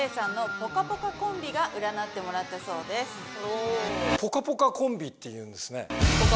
『ぽかぽか』コンビっていうんですね。